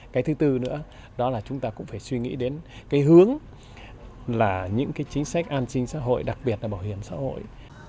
cái thứ tư nữa đó là chúng ta cũng phải suy nghĩ đến cái hướng là những cái chính sách an sinh xã hội đặc biệt là bảo hiểm xã hội